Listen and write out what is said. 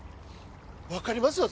分かりますよ